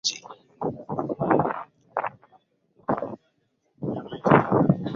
Na mwaka wa elfu mbili na mbili pamoja na mchezaji